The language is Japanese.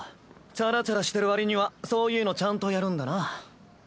チャラチャラしてる割にはそういうのちゃんとやるんだな。